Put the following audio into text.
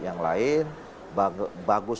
yang lain bagus